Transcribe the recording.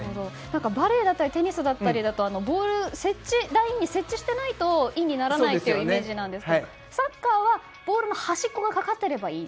バレーだったりテニスだったりするとボールがラインに接地していないとインにならないイメージですがサッカーはボールの端っこがかかっていればいいと。